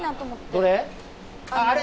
どれ？